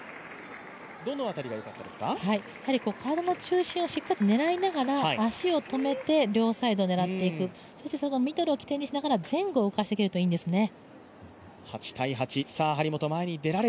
体の中心をしっかりと狙いながら足を止めて両サイド狙っていく、そしてミドルを起点としながら前後に動かしていけるといいんですね。